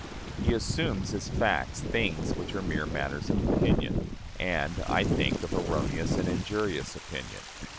He assumes as facts things which are mere matters of opinion, and, I think, of erroneous and injurious opinion.